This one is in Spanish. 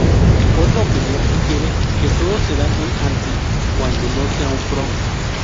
Otra opinión sugiere que "todos serán un 'anti', cuando no sean un 'pro-'".